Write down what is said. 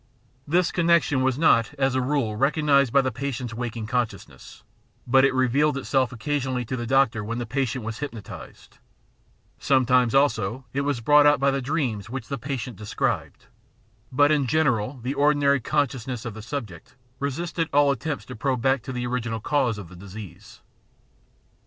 This connection was not as a rule recognised by the patient's waking consciousness, but it revealed itself oc casionally to the doctor when the patient was hjrpnotised ; some times also it was brought out by the dreams which the patient described ; but in general the ordinary consciousness of the subject resisted all attempts to probe back to the original cause of the disease.